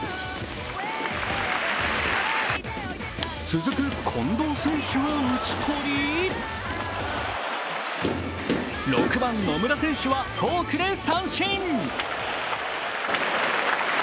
続く近藤選手を打ち取り６番・野村選手はフォークで三振。